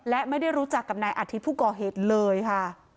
และไม่ได้รู้จักกับนายอาทิตย์ผู้ก่อเหตุเลยค่ะ